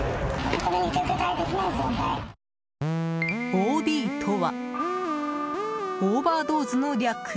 ＯＤとはオーバードーズの略。